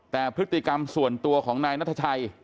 แต่พฤติกรรมส่วนตัวของนายนัทชัย